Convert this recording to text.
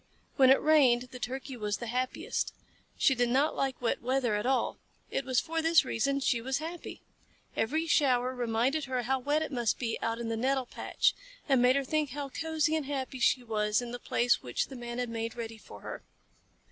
When it rained the Turkey was the happiest. She did not like wet weather at all. It was for this reason she was happy. Every shower reminded her how wet it must be out in the nettle patch, and made her think how cosy and happy she was in the place which the Man had made ready for her.